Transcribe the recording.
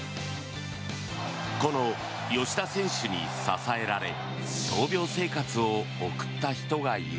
この吉田選手に支えられ闘病生活を送った人がいる。